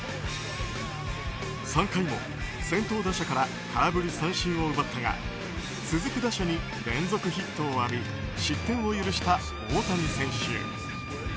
３回も先頭打者から空振り三振を奪ったが続く打者に連続ヒットを浴び失点を許した大谷選手。